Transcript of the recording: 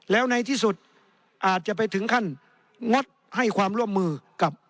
แล้วในที่สุดอาจจะไปถึงขั้นงดให้ความร่วมมือกับ